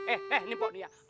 eh eh nih pak